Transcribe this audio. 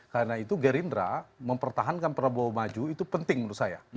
karena itu gerindra mempertahankan prabowo maju itu penting menurut saya